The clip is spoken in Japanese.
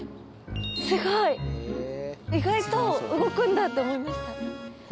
意外と動くんだって思いました。